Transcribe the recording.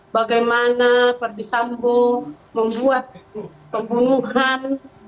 bagaimana ferdi sambo membuat kebunuhan